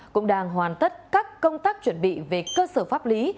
cũng đang hoàn tất các công tác chuẩn bị về cơ sở pháp lý